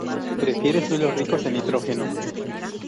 Prefiere suelos ricos en nitrógeno.